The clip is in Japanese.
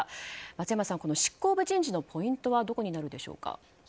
松山さん、執行部人事のポイントはどこになるでしょうか。